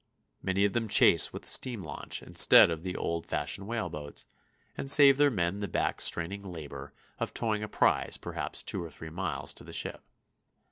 Many of them chase with a steam launch instead of the old fashioned whaleboats, and save their men the back straining labor of towing a prize perhaps two or three miles to the ship.